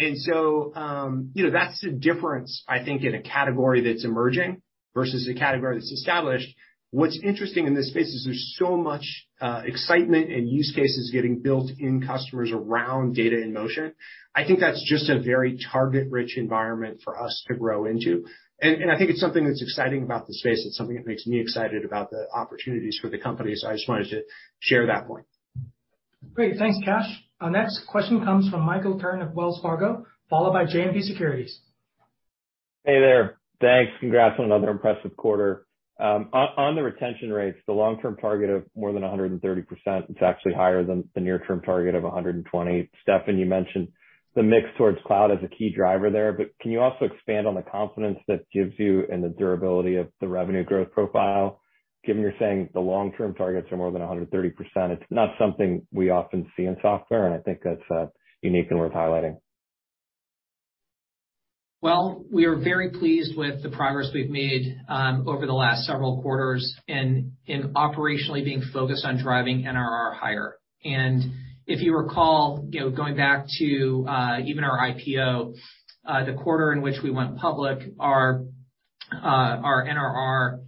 You know, that's the difference, I think, in a category that's emerging versus a category that's established. What's interesting in this space is there's so much excitement and use cases getting built in customers around data in motion. I think that's just a very target-rich environment for us to grow into. I think it's something that's exciting about the space. It's something that makes me excited about the opportunities for the company. I just wanted to share that point. Great. Thanks, Kash. Our next question comes from Michael Turrin of Wells Fargo, followed by JMP Securities. Hey there. Thanks. Congrats on another impressive quarter. On the retention rates, the long-term target of more than 130%, it's actually higher than the near-term target of 120%. Steffan, you mentioned the mix towards cloud as a key driver there, but can you also expand on the confidence that gives you in the durability of the revenue growth profile? Given you're saying the long-term targets are more than 130%, it's not something we often see in software, and I think that's unique and worth highlighting. Well, we are very pleased with the progress we've made over the last several quarters in operationally being focused on driving NRR higher. If you recall, you know, going back to even our IPO, the quarter in which we went public, our NRR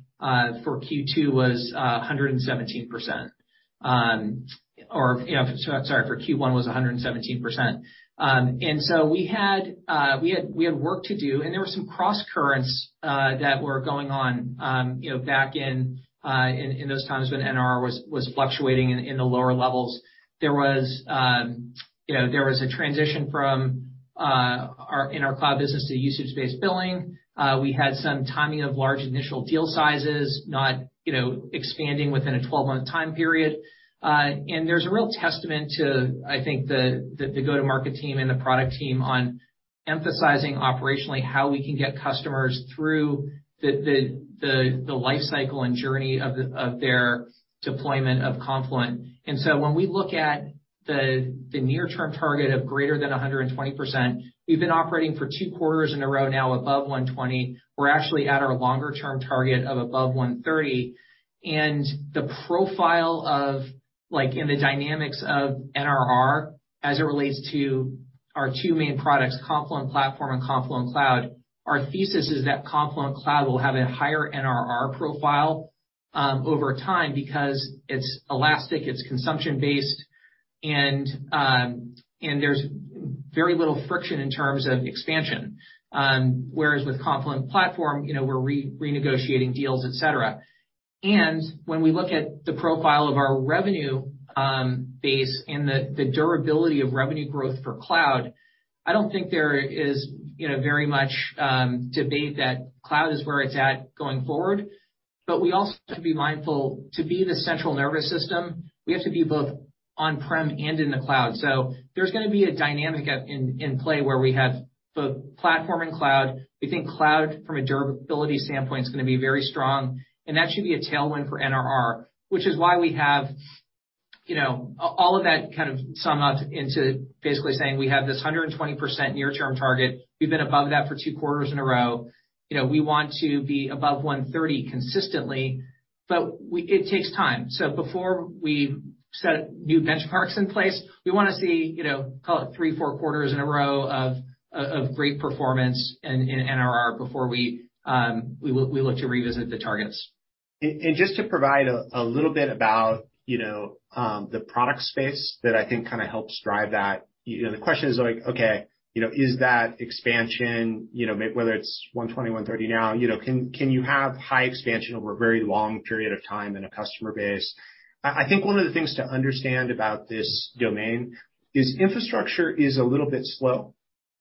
for Q2 was 117%. Or, you know, sorry, for Q1 was 117%. We had work to do, and there were some crosscurrents that were going on, you know, back in those times when NRR was fluctuating in the lower levels. There was a transition in our cloud business to usage-based billing. We had some timing of large initial deal sizes, not, you know, expanding within a 12-month time period. There's a real testament to, I think, the go-to-market team and the product team on emphasizing operationally how we can get customers through the life cycle and journey of their deployment of Confluent. When we look at the near term target of greater than 100%, we've been operating for two quarters in a row now above 120%. We're actually at our longer term target of above 130%. The profile of like in the dynamics of NRR as it relates to our two main products, Confluent Platform and Confluent Cloud, our thesis is that Confluent Cloud will have a higher NRR profile over time because it's elastic, it's consumption-based, and there's very little friction in terms of expansion. Whereas with Confluent Platform, you know, we're re-renegotiating deals, et cetera. When we look at the profile of our revenue base and the durability of revenue growth for cloud, I don't think there is, you know, very much debate that cloud is where it's at going forward. We also have to be mindful to be the central nervous system, we have to be both on-prem and in the cloud. There's gonna be a dynamic at play where we have both platform and cloud. We think cloud from a durability standpoint is gonna be very strong, and that should be a tailwind for NRR, which is why we have, you know, all of that kind of sum up into basically saying we have this 120% near term target. We've been above that for two quarters in a row. You know, we want to be above 130 consistently, but it takes time. Before we set new benchmarks in place, we wanna see, you know, call it three, four quarters in a row of great performance in NRR before we look to revisit the targets. Just to provide a little bit about, you know, the product space that I think kinda helps drive that. You know, the question is like, okay, you know, is that expansion, you know, whether it's 120, 130 now, you know, can you have high expansion over a very long period of time in a customer base? I think one of the things to understand about this domain is infrastructure is a little bit slow.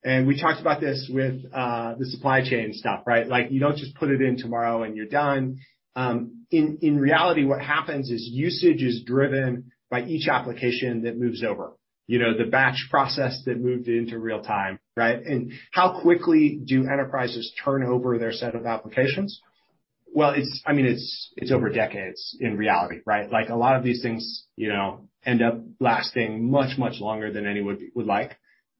We talked about this with the supply chain stuff, right? Like, you don't just put it in tomorrow, and you're done. In reality, what happens is usage is driven by each application that moves over. You know, the batch process that moved into real time, right? How quickly do enterprises turn over their set of applications? Well, I mean, it's over decades in reality, right? Like a lot of these things, you know, end up lasting much, much longer than any would like.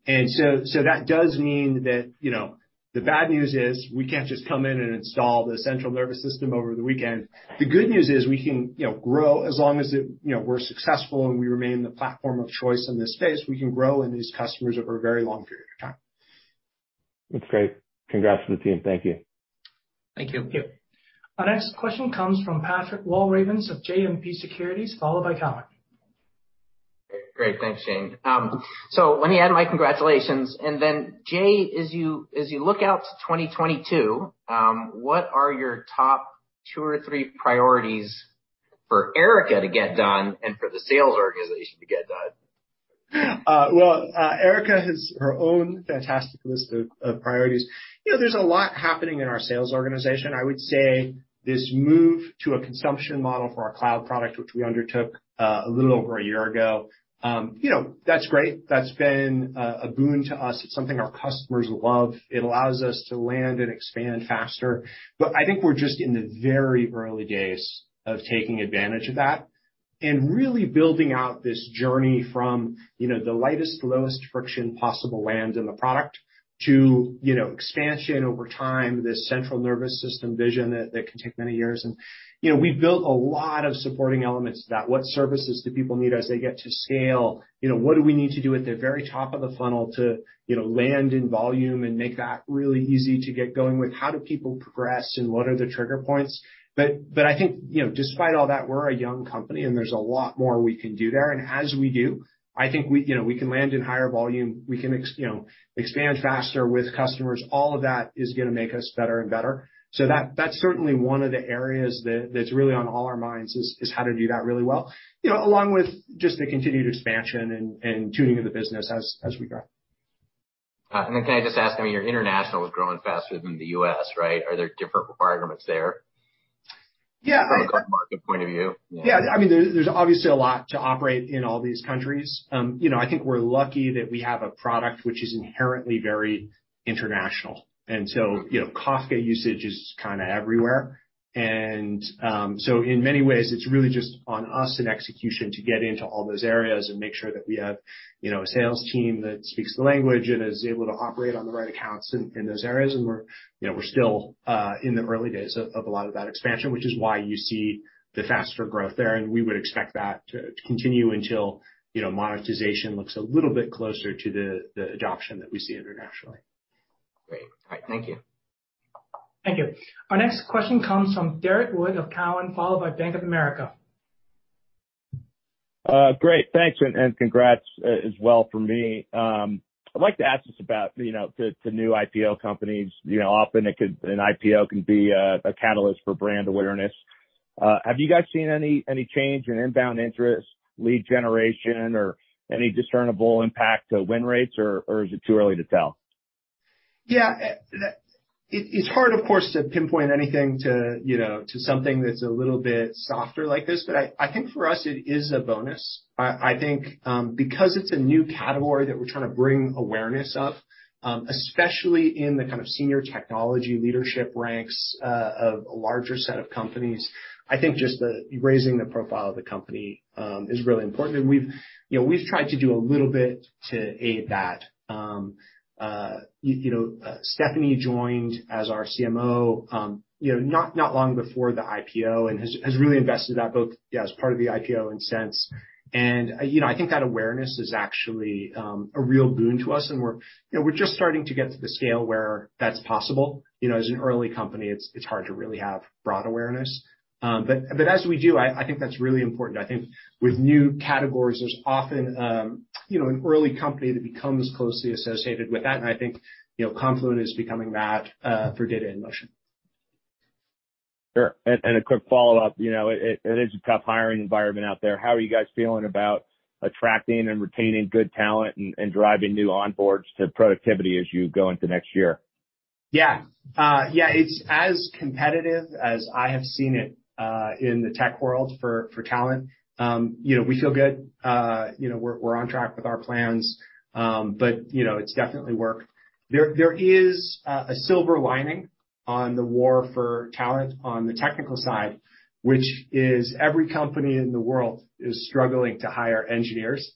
That does mean that, you know, the bad news is we can't just come in and install the central nervous system over the weekend. The good news is we can, you know, grow as long as it, you know, we're successful, and we remain the platform of choice in this space. We can grow in these customers over a very long period of time. That's great. Congrats to the team. Thank you. Thank you. Our next question comes from Patrick Walravens of JMP Securities, followed by Cowen. Great. Thanks, Shane. Let me add my congratulations. Jay, as you look out to 2022, what are your top two or three priorities for Erica to get done and for the sales organization to get done? Well, Erica has her own fantastic list of priorities. You know, there's a lot happening in our sales organization. I would say this move to a consumption model for our cloud product, which we undertook a little over a year ago, you know, that's great. That's been a boon to us. It's something our customers love. It allows us to land and expand faster. I think we're just in the very early days of taking advantage of that and really building out this journey from, you know, the lightest, lowest friction possible lands in the product to, you know, expansion over time, this central nervous system vision that can take many years. You know, we've built a lot of supporting elements to that. What services do people need as they get to scale? You know, what do we need to do at the very top of the funnel to, you know, land in volume and make that really easy to get going with? How do people progress, and what are the trigger points? I think, you know, despite all that, we're a young company, and there's a lot more we can do there. As we do, I think we, you know, we can land in higher volume. We can, you know, expand faster with customers. All of that is gonna make us better and better. That's certainly one of the areas that's really on all our minds is how to do that really well. You know, along with just the continued expansion and tuning of the business as we grow. Can I just ask, I mean, your international was growing faster than the U.S., right? Are there different requirements there? Yeah. From a go-to-market point of view? Yeah. I mean, there's obviously a lot to operate in all these countries. You know, I think we're lucky that we have a product which is inherently very international. Kafka usage is kinda everywhere. In many ways, it's really just on us in execution to get into all those areas and make sure that we have a sales team that speaks the language and is able to operate on the right accounts in those areas. We're still in the early days of a lot of that expansion, which is why you see the faster growth there. We would expect that to continue until monetization looks a little bit closer to the adoption that we see internationally. Great. All right. Thank you. Thank you. Our next question comes from Derrick Wood of Cowen, followed by Bank of America. Great. Thanks. Congrats as well from me. I'd like to ask just about, you know, to new IPO companies. You know, often an IPO can be a catalyst for brand awareness. Have you guys seen any change in inbound interest, lead generation or any discernible impact to win rates, or is it too early to tell? Yeah. That, it's hard, of course, to pinpoint anything to, you know, to something that's a little bit softer like this, but I think for us it is a bonus. I think, because it's a new category that we're trying to bring awareness of, especially in the kind of senior technology leadership ranks, of a larger set of companies, I think just the raising the profile of the company, is really important. We've, you know, we've tried to do a little bit to aid that. You know, Steffan joined as our CMO, you know, not long before the IPO and has really invested that both as part of the IPO and since. You know, I think that awareness is actually a real boon to us, and we're just starting to get to the scale where that's possible. You know, as an early company, it's hard to really have broad awareness. But as we do, I think that's really important. I think with new categories, there's often you know, an early company that becomes closely associated with that. I think, you know, Confluent is becoming that for data in motion. Sure. A quick follow-up, you know, it is a tough hiring environment out there. How are you guys feeling about attracting and retaining good talent and driving new onboards to productivity as you go into next year? Yeah. Yeah. It's as competitive as I have seen it in the tech world for talent. You know, we feel good. You know, we're on track with our plans, but you know, it's definitely work. There is a silver lining on the war for talent on the technical side, which is every company in the world is struggling to hire engineers.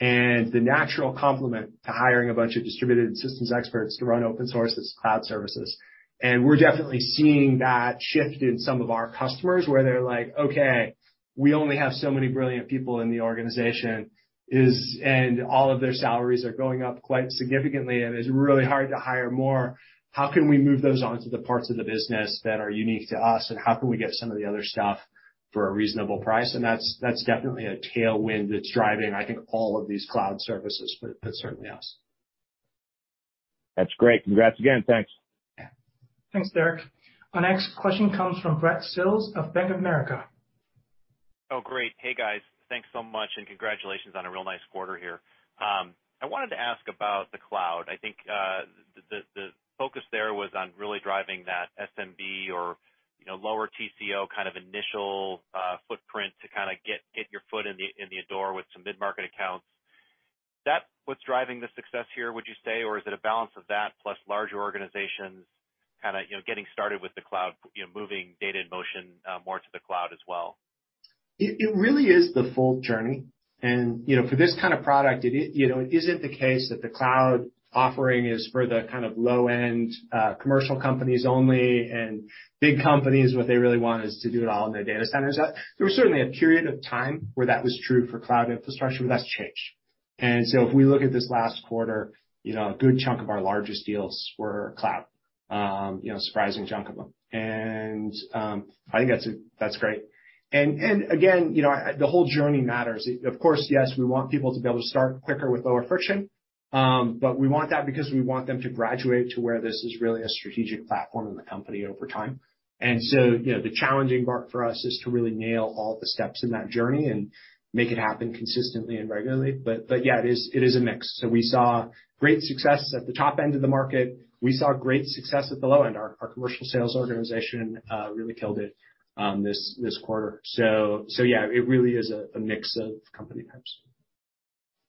The natural complement to hiring a bunch of distributed systems experts to run open source is cloud services. We're definitely seeing that shift in some of our customers, where they're like, "Okay, we only have so many brilliant people in the organization and all of their salaries are going up quite significantly, and it's really hard to hire more. How can we move those onto the parts of the business that are unique to us, and how can we get some of the other stuff for a reasonable price?" That's definitely a tailwind that's driving, I think, all of these cloud services, but certainly us. That's great. Congrats again. Thanks. Yeah. Thanks, Derrick. Our next question comes from Brad Sills of Bank of America. Oh, great. Hey, guys. Thanks so much, and congratulations on a real nice quarter here. I wanted to ask about the cloud. I think the focus there was on really driving that SMB or, you know, lower TCO kind of initial footprint to kinda get your foot in the door with some mid-market accounts. Is that what's driving the success here, would you say? Or is it a balance of that plus larger organizations kinda, you know, getting started with the cloud, you know, moving data in motion more to the cloud as well? It really is the full journey. You know, for this kind of product, you know, it isn't the case that the cloud offering is for the kind of low-end, commercial companies only and big companies, what they really want is to do it all in their data centers. There was certainly a period of time where that was true for cloud infrastructure, but that's changed. If we look at this last quarter, you know, a good chunk of our largest deals were cloud. You know, surprising chunk of them. I think that's great. Again, you know, the whole journey matters. Of course, yes, we want people to be able to start quicker with lower friction, but we want that because we want them to graduate to where this is really a strategic platform in the company over time. You know, the challenging part for us is to really nail all the steps in that journey and make it happen consistently and regularly. Yeah, it is a mix. We saw great success at the top end of the market. We saw great success at the low end. Our commercial sales organization really killed it this quarter. Yeah, it really is a mix of company types.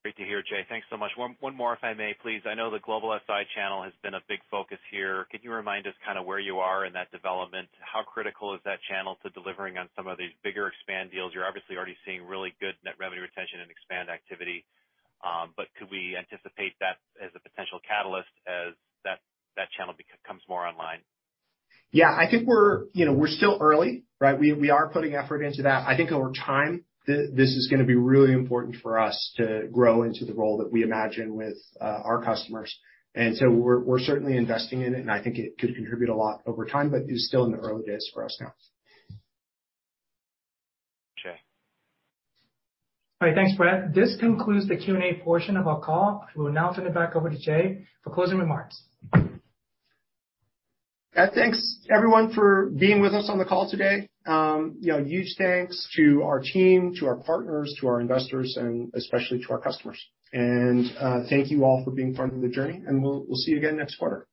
Great to hear, Jay. Thanks so much. One more if I may, please. I know the global SI channel has been a big focus here. Can you remind us kinda where you are in that development? How critical is that channel to delivering on some of these bigger expand deals? You're obviously already seeing really good net revenue retention and expand activity. Could we anticipate that as a potential catalyst as that channel becomes more online? Yeah. I think we're, you know, we're still early, right? We are putting effort into that. I think over time, this is gonna be really important for us to grow into the role that we imagine with our customers. We're certainly investing in it, and I think it could contribute a lot over time, but it's still in the early days for us now. Okay. All right. Thanks, Brad. This concludes the Q&A portion of our call. We will now turn it back over to Jay for closing remarks. Thanks everyone for being with us on the call today. You know, huge thanks to our team, to our partners, to our investors, and especially to our customers. Thank you all for being part of the journey, and we'll see you again next quarter.